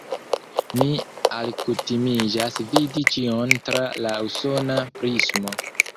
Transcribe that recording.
Mi alkutimiĝas vidi ĉion tra la usona prismo.